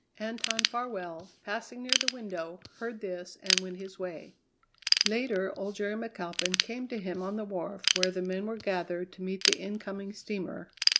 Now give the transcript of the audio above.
Anton Farwell, passing near the window, heard this and went his way. Later old Jerry McAlpin came to him on the wharf where the men were gathered to meet the incoming steamer.